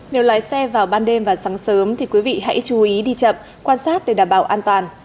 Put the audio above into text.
nếu lái xe vào ban đêm và sáng sớm thì quý vị hãy chú ý đi chậm quan sát để đảm bảo an toàn